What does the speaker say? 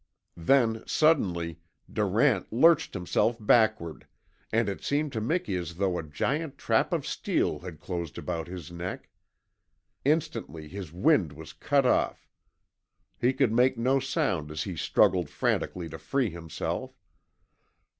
Then, suddenly, Durant lurched himself backward, and it seemed to Miki as though a giant trap of steel had closed about his neck. Instantly his wind was cut off. He could make no sound as he struggled frantically to free himself.